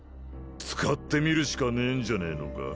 使ってみるしかねえんじゃねえのか？